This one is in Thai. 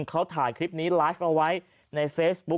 เขาถ่ายคลิปนี้ไลฟ์เอาไว้ในเฟซบุ๊ค